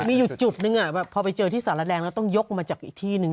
มีอยู่จุดนึงพอไปเจอที่สารแดงแล้วต้องยกออกมาจากอีกที่นึง